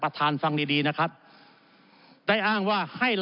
ประธานฟังดีนะครับได้อ้างว่า